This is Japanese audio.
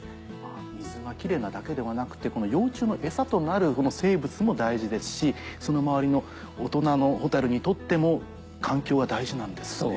水がキレイなだけではなくてこの幼虫の餌となる生物も大事ですしその周りの大人のホタルにとっても環境は大事なんですね。